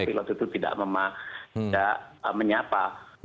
pilot itu tidak menyapa